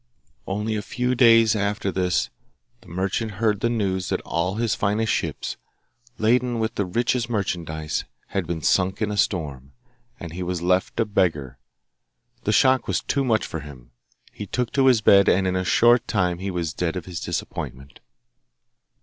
Only a few days after this the merchant heard the news that all his finest ships, laden with the richest merchandise, had been sunk in a storm, and he was left a beggar. The shock was too much for him. He took to his bed, and in a short time he was dead of his disappointment.